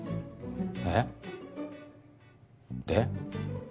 えっ？で？